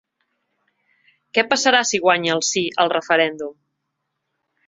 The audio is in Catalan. Què passarà si guanya el sí al referèndum?